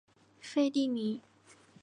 费蒂尼。